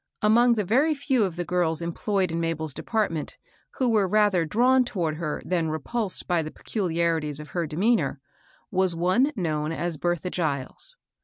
Among the very few of the girls employed in Mabel's department who were rather drawn toward her than repulsed by the peculiarities of her demeanor, was one known as Bertha Giles.